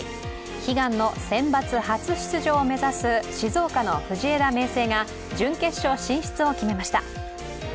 悲願のセンバツ初出場を目指す静岡の藤枝明誠が準決勝進出を決めました。